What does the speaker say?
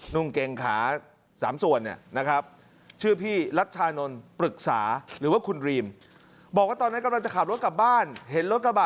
นุ่งเกงขาสามส่วนเนี่ยนะครับ